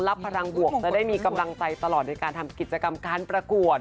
พลังบวกจะได้มีกำลังใจตลอดโดยการทำกิจกรรมการประกวด